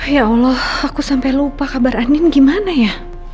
ya allah aku sampai lupa kabar andin gimana ya